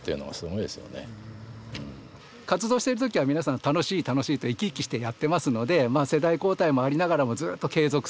活動してるときは皆さん楽しい楽しいと生き生きしてやってますので世代交代もありながらもずっと継続するように。